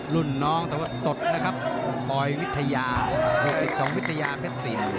รุ่นน้องแต่ว่าสดนะครับคอยวิทยาลูกศิษย์ของวิทยาเพชร๔๐